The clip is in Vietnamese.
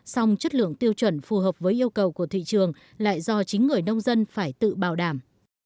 song chất lượng tiêu chuẩn phù hợp với yêu cầu của thị trường lại do chính người nông dân phải tự bảo đảm